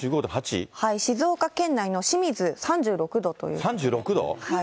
静岡県内の清水、３６度とい３６度？